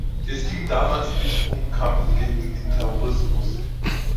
Es ging damals nicht um Kampf gegen den Terrorismus.